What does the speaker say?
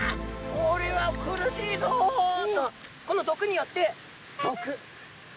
おれは苦しいぞ！」とこの毒によってどく。